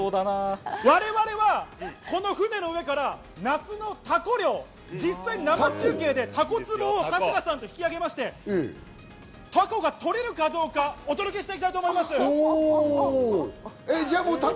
我々はこの船の上から夏のタコ漁、実際に生中継でタコツボを春日さんが引き揚げまして、タコが取れるかどうか、お届けしたいと思います。